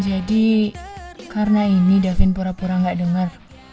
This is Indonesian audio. jadi karena ini davin pura pura gak dengar